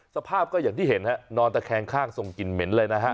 สภาพก็อย่างที่เห็นฮะนอนตะแคงข้างส่งกลิ่นเหม็นเลยนะฮะ